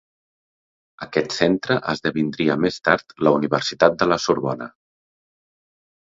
Aquest centre esdevindria més tard la Universitat de la Sorbona.